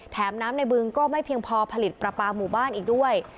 แถมน้ำในบึงก็ไม่เพียงพอผลิตปลาปลาหมู่บ้านอีกด้วย